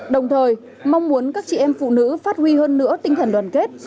đồng thời mong muốn các chị em phụ nữ phát huy hơn nữa tinh thần đoàn kết